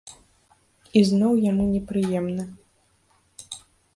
І зноў яму непрыемна.